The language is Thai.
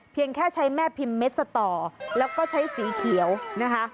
แค่ใช้แม่พิมพ์เม็ดสต่อแล้วก็ใช้สีเขียวนะคะ